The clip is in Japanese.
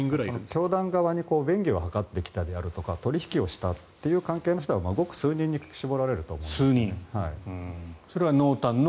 教団側に便宜を図ってきたとか取引したという関係の人はごく数人に絞られると思います。